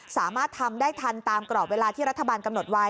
สามารถทำได้ทันตามกรอบเวลาที่รัฐบาลกำหนดไว้